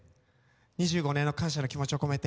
２５年の感謝の気持ちを込めて。